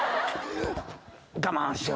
我慢しよ。